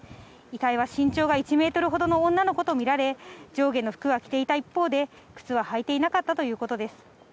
遺体は身長が１メートルほどの女の子と見られ、上下の服は着ていた一方で、靴は履いていなかったということです。